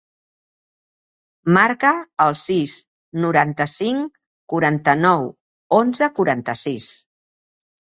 Marca el sis, noranta-cinc, quaranta-nou, onze, quaranta-sis.